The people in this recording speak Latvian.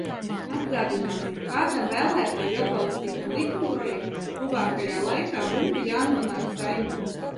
Atgādināsim, kādam vēlētāju atbalstītam likumprojektam tuvākajā laikā būtu jānonāk Saeimā.